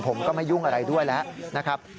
ผมก็ไม่ยุ่งอะไรด้วยแล้วนะครับ